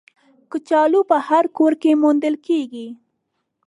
کچالو په هر کور کې موندل کېږي